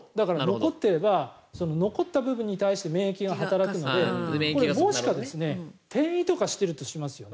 残っていれば残った部分に対して免疫が働くので、もし転移とかしているとしますよね。